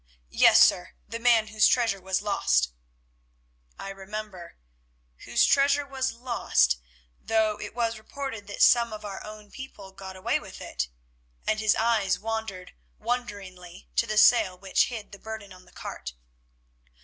"Yes, sir, the man whose treasure was lost." "I remember—whose treasure was lost—though it was reported that some of our own people got away with it," and his eyes wandered wonderingly to the sail which hid the burden on the cart.